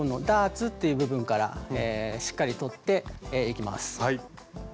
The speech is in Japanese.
ダーツっていう部分からしっかりとっていきます。